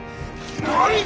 何！？